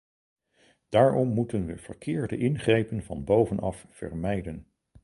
Daarom moeten we verkeerde ingrepen van bovenaf vermijden.